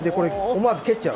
思わず蹴っちゃう。